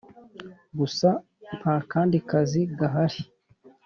gusa nta kandi kazi gahari